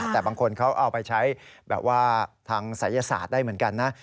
แต่บางคนเขาเอาไปใช้แบบว่าทางศัยศาสตร์ได้เหมือนกันนะ